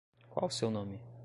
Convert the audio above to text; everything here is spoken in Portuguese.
Qual o seu nome?